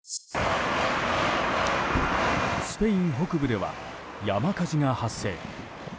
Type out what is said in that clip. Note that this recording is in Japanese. スペイン北部では山火事が発生。